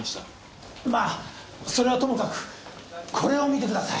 まあそれはともかくこれを見てください。